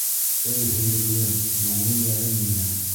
Эй, һөйөклөм, моңло йәрем минең!